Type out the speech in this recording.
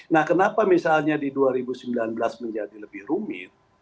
nah kenapa misalnya di dua ribu sembilan belas menjadi lebih rumit